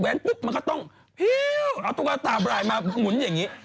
เอาตุ๊กตาบรายมาหมุนอย่างนี้